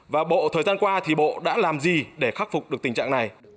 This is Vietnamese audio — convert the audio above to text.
và bộ thời gian qua thì bộ đã làm gì để khắc phục được tình trạng này